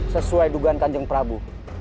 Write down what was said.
sesuai dugaan kandung prabu